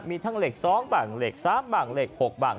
มีทั้งเหล็ก๒บังเหล็ก๓บังเหล็ก๖บัง